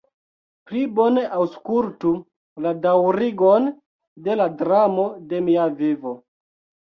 Pli bone aŭskultu la daŭrigon de la dramo de mia vivo.